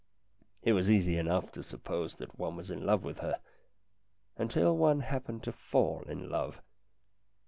It was easy enough to suppose that one was in love with her until one happened to fall in love.